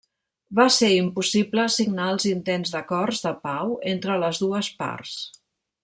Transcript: Va ser impossible signar els intents d'acords de pau entre les dues parts.